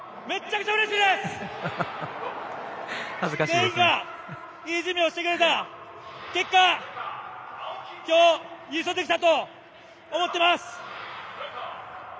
全員がいい準備をしてくれた結果きょう優勝できたと思ってます。